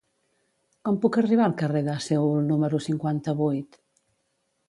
Com puc arribar al carrer de Seül número cinquanta-vuit?